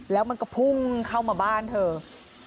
แล้วมันก็พุ่งเข้ามาบ้านเธอ